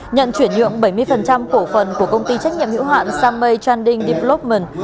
nhận chuyển nhượng bảy mươi cổ phần của công ty trách nhiệm hữu hạn samay trading development